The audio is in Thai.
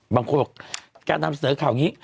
บางคนบอกการนำเสนอข่าวอย่างนี้